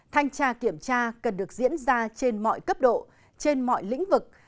thanh tra kiểm tra cần được diễn ra trên mọi cấp độ trên mọi lĩnh vực